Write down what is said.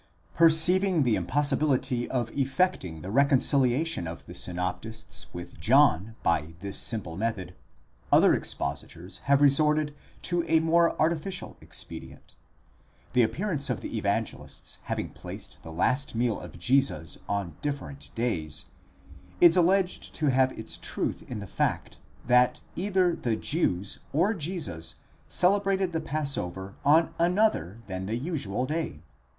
® Perceiving the impossibility of effecting the reconciliation of the synoptists 'with John by this simple method, other expositors have resorted to a more artificial expedient. The appearance of the Evangelists having placed the last meal of Jesus on different days, is alleged to have its truth in the fact, that either the Jews or Jesus celebrated the passover on another than the usual day.